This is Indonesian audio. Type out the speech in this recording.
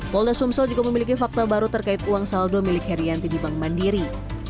polda sumsel juga memiliki fakta baru terkait uang saldo milik herianti di bank mandiri